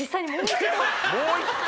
もう一回？